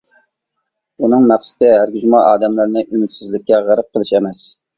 ئۇنىڭ مەقسىتى ھەرگىزمۇ ئادەملەرنى ئۈمىدسىزلىككە غەرق قىلىش ئەمەس.